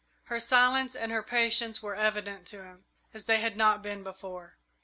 Her silence and her patience were evident to him, as they had not been before.